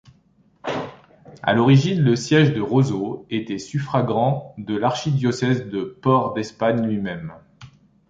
À l'origine le siège de Roseau était suffragant de l'archidiocèse de Port-d'Espagne lui-même.